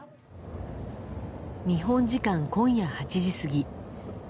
日本時間今夜８時過ぎ。